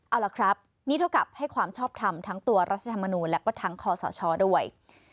เอาล่ะครับนี่เท่ากับให้ความชอบทำทั้งตัวรัฐธรรมนูลและก็ทั้งคอสชด้วย